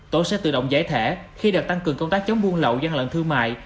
tổ sẽ tự động giải thể khi được tăng cường công tác chống buôn lậu gian lận thương mại